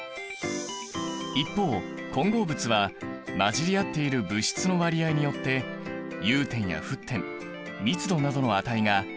一方混合物は混じり合っている物質の割合によって融点や沸点密度などの値が変化するんだ。